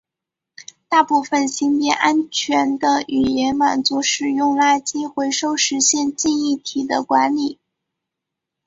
大部分型别安全的语言满足使用垃圾回收实现记忆体的管理。